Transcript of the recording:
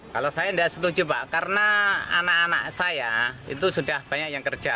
kalau saya tidak setuju pak karena anak anak saya itu sudah banyak yang kerja